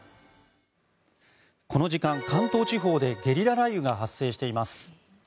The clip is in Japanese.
この時間、関東地方でゲリラ雷雨が発生しています。